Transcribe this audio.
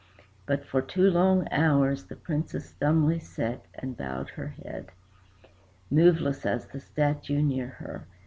But for two long hours the Princess dumbly sate and bowed her head, Moveless as the statue near her.